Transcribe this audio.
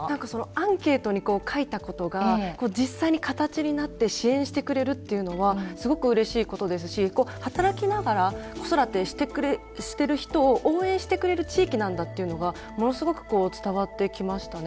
アンケートに書いたことが実際に形になって支援してくれるっていうのはすごくうれしいことですし働きながら子育てしてる人を応援してくれる地域なんだっていうのがものすごく伝わってきましたね。